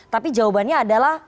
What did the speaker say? tapi jawabannya adalah